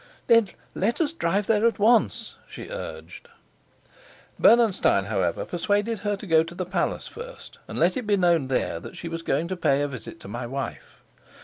"Then let us drive there at once," she urged. Bernenstein, however, persuaded her to go to the palace first and let it be known there that she was going to pay a visit to my wife.